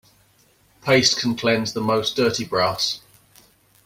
Paste can cleanse the most dirty brass.